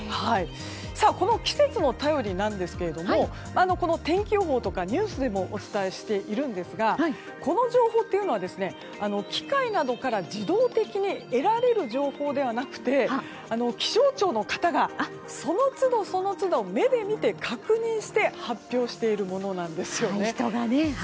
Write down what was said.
この季節の便りですが天気予報とかニュースでもお伝えしているんですがこの情報というのは機械などから自動的に得られる情報ではなくて気象庁の方がその都度、目で見て確認をして発表しているものなんですよね。